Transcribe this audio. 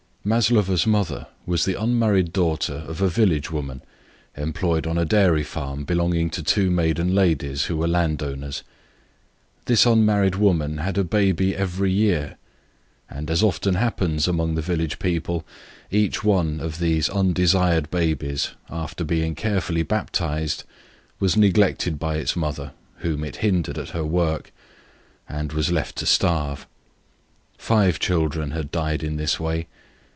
Maslova's mother was the unmarried daughter of a village woman, employed on a dairy farm, which belonged to two maiden ladies who were landowners. This unmarried woman had a baby every year, and, as often happens among the village people, each one of these undesired babies, after it had been carefully baptised, was neglected by its mother, whom it hindered at her work, and left to starve. Five children had died in this way.